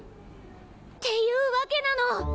っていうわけなの！